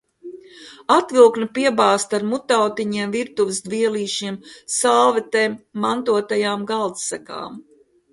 Atviktne piebāzta ar mutautiņiem, virtuves dvielīšiem, salvetēm un mantotajām galdsegām.